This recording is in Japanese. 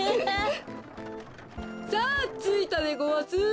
さあついたでごわす。